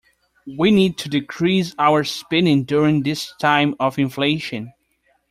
We need to decrease our spending during this time of inflation.